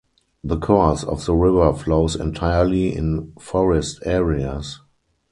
The course of the river flows entirely in forest areas.